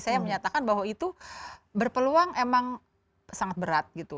saya menyatakan bahwa itu berpeluang emang sangat berat gitu